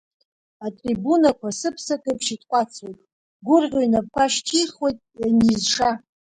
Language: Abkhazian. Атрибунақәа сыԥсак еиԥш итҟәацуеит, дгәырӷьо инапқәа шьҭихуеит, ианизша.